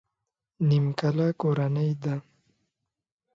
نيمکله کورنۍ ده.